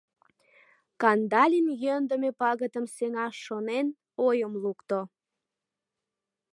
Кандалин, йӧндымӧ пагытым сеҥаш шонен, ойым лукто: